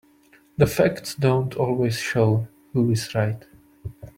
The facts don't always show who is right.